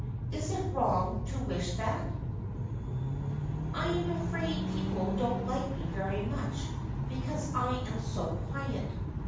Is it wrong to wish that ? I am afraid people don't like me very much because I am so quiet.